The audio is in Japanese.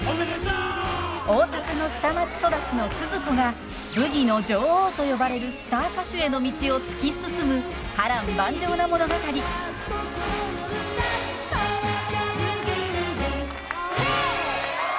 大阪の下町育ちのスズ子がブギの女王と呼ばれるスター歌手への道を突き進む波乱万丈な物語。へいっ！